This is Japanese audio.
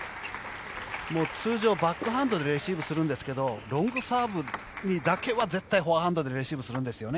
もう通常バックハンドでレシーブするんですけどロングサーブにだけは絶対フォアハンドでレシーブするんですよね。